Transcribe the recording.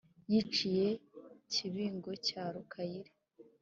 yiciye kibingo cya rukayire